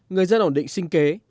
người dân ổn định sinh kế